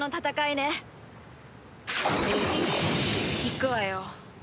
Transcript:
いくわよ